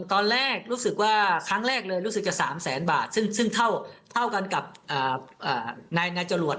ตอนแรกรู้สึกว่าครั้งแรกเลยรู้สึกจะ๓แสนบาทซึ่งเท่ากันกับนายจรวด